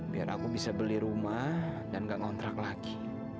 biar aku bisa beli rumah dan gak ngontrak lagi